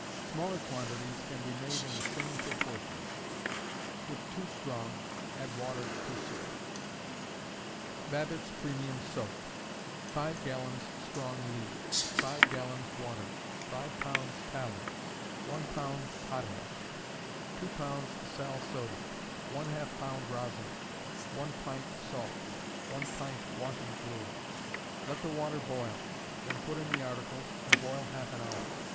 Smaller quantities can be made in the same proportions. If too strong, add water to suit. Babbit's Premium Soap. 5 gals, strong ley; 5 gals water; 5 lbs. tallow; 1 lb. potash; 2 lbs. sal soda; ½ lb. rosin; 1 pt. salt; 1 pt. washing fluid. Let the water boil; then put in the articles, and boil half an hour.